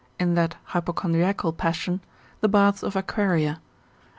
in that hypochondriacal passion, the baths of Aquaria, and 36.